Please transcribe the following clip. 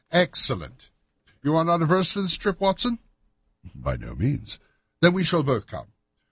"Excellent. You are not averse to this trip, Watson?" "By no means." "Then we shall both come.